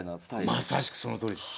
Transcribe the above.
まさしくそのとおりです。